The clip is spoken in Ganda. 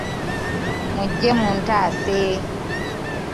Mujje muntaase!